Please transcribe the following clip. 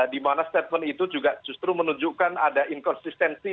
di mana statement itu juga justru menunjukkan ada inkonsistensi